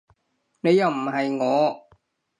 你又唔係我